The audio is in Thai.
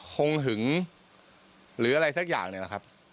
หึงหรืออะไรสักอย่างเนี่ยแหละครับ